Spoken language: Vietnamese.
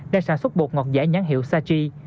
đang sản xuất bột ngọt giả nhán hiệu sachi